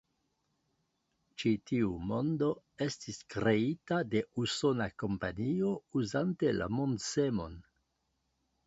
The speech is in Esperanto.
Ĉi tiu mondo estis kreita de usona kompanio uzante la Mondsemon.